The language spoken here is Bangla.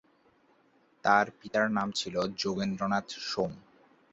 তার পিতার নাম ছিল যোগেন্দ্রনাথ সোম।